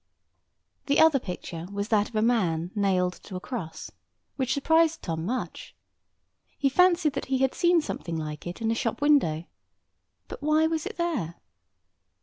The other picture was that of a man nailed to a cross, which surprised Tom much. He fancied that he had seen something like it in a shop window. But why was it there?